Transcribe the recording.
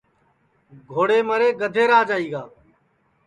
گھوڑے مرے گدھے راج آئی گا